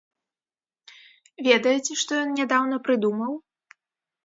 Ведаеце, што ён нядаўна прыдумаў?